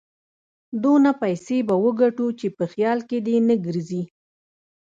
دونه پيسې به وګټو چې په خيال کې دې نه ګرځي.